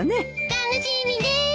楽しみでーす。